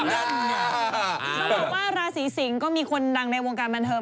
ต้องบอกว่าราศีสิงศ์ก็มีคนดังในวงการบันเทิง